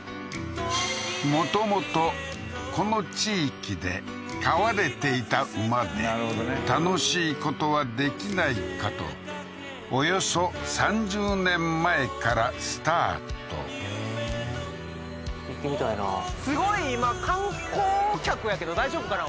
もともとこの地域で飼われていた馬で楽しいことはできないかとおよそ３０年前からスタートへえー行ってみたいなすごい今観光客やけど大丈夫かな？